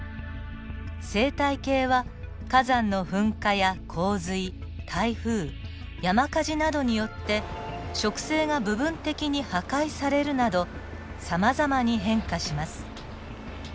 生態系は火山の噴火や洪水台風山火事などによって植生が部分的に破壊されるなどさまざまに変化します。